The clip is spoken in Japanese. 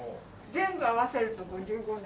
全部合わせると５５年。